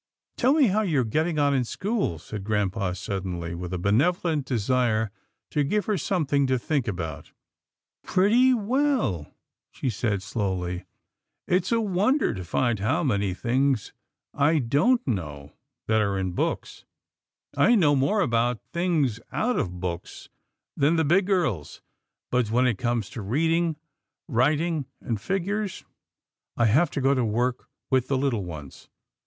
" Tell me how you are getting on in school," said grampa suddenly, with a benevolent desire to give her something to think about. " Pretty well," she said slowly. " It's a wonder A TEDIOUS WAITING 191 to find how many things I don't know that are in books. I know more about things out of books than the big girls, but when it comes to reading, writing, and figures, I have to go to work with the Httle ones.